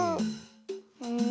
うん。